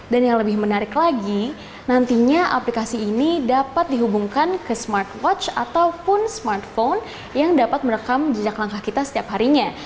dan yang lebih menarik lagi nantinya aplikasi ini dapat dihubungkan ke smartwatch ataupun smartphone yang dapat merekam jejak langkah kita setiap harinya